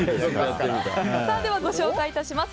ご紹介いたします。